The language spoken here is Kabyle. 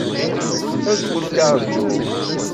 Ad kent-arguɣ.